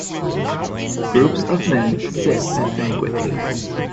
Groups of men sit at banquet tables.